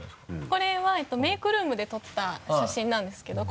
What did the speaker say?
これはメイクルームで撮った写真なんですけど。